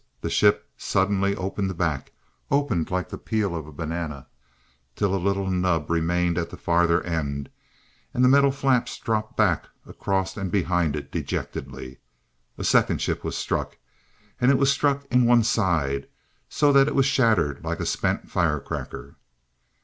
The ship suddenly opened back, opened like the peel of a banana, till a little nub remained at the further end, and the metal flaps dropped back across and behind it dejectedly. A second ship was struck, and it was struck on one side, so that it was shattered like a spent firecracker.